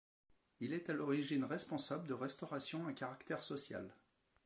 Il est à l'origine responsable de restauration à caractère social.